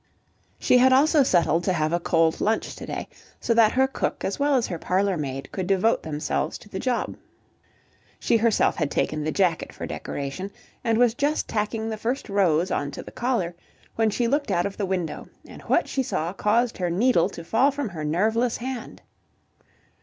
She had also settled to have a cold lunch to day, so that her cook as well as her parlourmaid could devote themselves to the job. She herself had taken the jacket for decoration, and was just tacking the first rose on to the collar, when she looked out of the window, and what she saw caused her needle to fall from her nerveless hand.